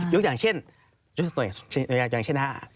ยกตัวอย่างเช่นยกตัวอย่างเช่น